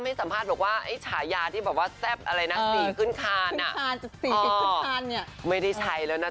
หวังว่าในโซโพกแขนจะหายเร็วนะคะ